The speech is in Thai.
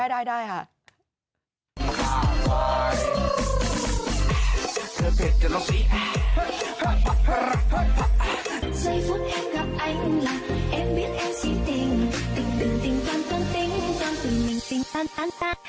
อ๋อได้ค่ะ